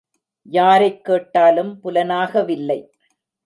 யாரைக் கேட்டாலும், புலனாகவில்லை.